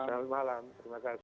selamat malam terima kasih